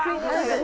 はい。